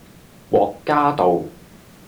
獲嘉道